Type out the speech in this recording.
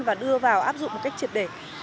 và đưa vào áp dụng một cách triệt đề